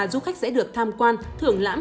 du khách sẽ được tham quan thưởng lãm